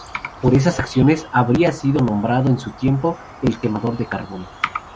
Por esas acciones habría sido nombrado en su tiempo "El quemador de carbón".